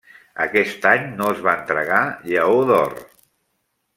Aquest any no es va entregar Lleó d'Or.